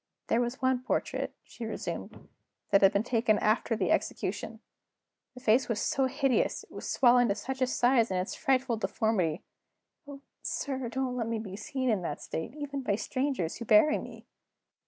"There was one portrait," she resumed, "that had been taken after the execution. The face was so hideous; it was swollen to such a size in its frightful deformity oh, sir, don't let me be seen in that state, even by the strangers who bury me!